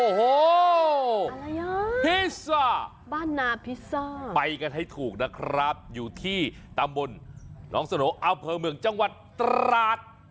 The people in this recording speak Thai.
โอ้โหพิซซ่าบ้านนาพิซซ่าไปกันให้ถูกนะครับอยู่ที่ตำบลน้องสโนอำเภอเมืองจังหวัดตราด